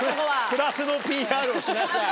プラスのＰＲをしなさい。